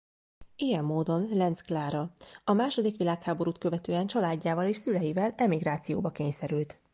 Ilyen módon Lenz Klára a második világháborút követően családjával és szüleivel emigrációba kényszerült.